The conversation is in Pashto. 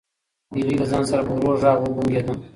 هیلې له ځان سره په ورو غږ وبونګېده.